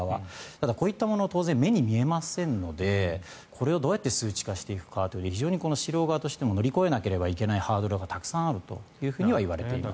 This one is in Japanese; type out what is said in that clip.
ただ、こういったものは当然目に見えませんのでこれをどうやって数値化していくかというスシロー側としても乗り越えなければいけないハードルがたくさんあるとはいわれています。